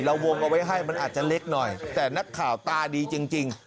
วงเอาไว้ให้มันอาจจะเล็กหน่อยแต่นักข่าวตาดีจริง